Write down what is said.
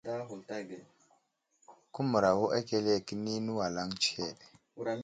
Ku məwuro akəle kəni nəwalaŋ tsəhed.